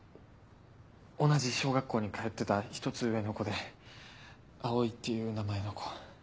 同じ小学校に通ってた１つ上の子で葵っていう名前の子。